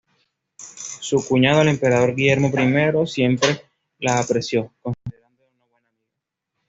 Su cuñado, el emperador Guillermo I, siempre la apreció, considerándola una buena amiga.